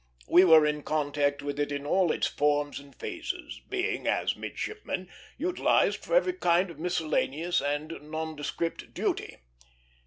We were in contact with it in all its forms and phases; being, as midshipmen, utilized for every kind of miscellaneous and nondescript duty.